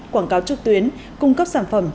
quảng cáo trực tuyến cung cấp sản phẩm